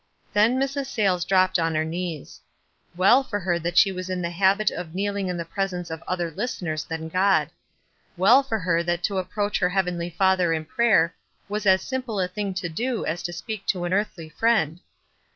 Then Mrs. Sayles dropped on her knees. Well for her that she was in the habit of kneel ing in the presence of other listeners than God. Well for her that to approach her heavenly Father in prayer was as simple a thing to do as to speak to an earthly friend.